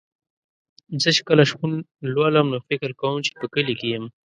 زه چې کله شپون لولم نو فکر کوم چې په کلي کې یم.